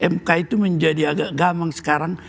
mk itu menjadi agak gamang sekarang